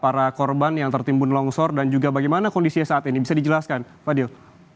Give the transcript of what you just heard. para korban yang tertimbun longsor dan juga bagaimana kondisinya saat ini bisa dijelaskan fadil